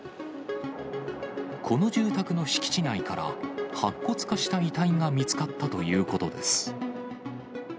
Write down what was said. この住宅の敷地内から、白骨化した遺体が見つかったということです。